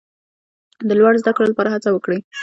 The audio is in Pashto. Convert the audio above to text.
د لوړو زده کړو لپاره هڅه وکړئ.